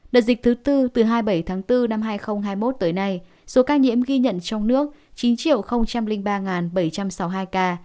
đợt dịch thứ tư từ hai mươi bảy tháng bốn năm hai nghìn hai mươi một tới nay số ca nhiễm ghi nhận trong nước chín ba bảy trăm sáu mươi hai ca